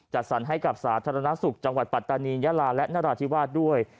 จัดสรรให้กับสาธารณสุขจังหวัดปัตตานียาลาและนราธิวาสด้วย